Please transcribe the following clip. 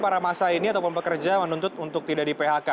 pada saat ini para pekerja menuntut untuk tidak di phk